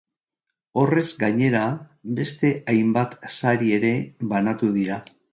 Horrez gainera, beste hainbat sari ere banatu dira.